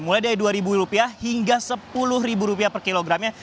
mulai dari dua rupiah hingga sepuluh rupiah per kilogramnya